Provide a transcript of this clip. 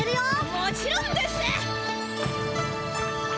もちろんです！